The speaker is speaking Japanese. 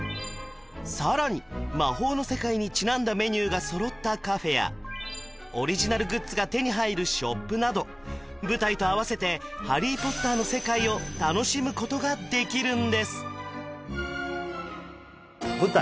さらに魔法の世界にちなんだメニューが揃ったカフェやオリジナルグッズが手に入るショップなど舞台と合わせてハリー・ポッターの世界を楽しむことができるんです舞台